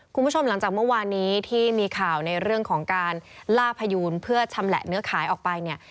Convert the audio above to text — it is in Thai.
คุณผู้ชมหลังจากเมื่อวานนี้ที่มีข่าวในเรื่องของการล่าพยูนเพื่อชำแหละเนื้อขายออกไปเนี่ย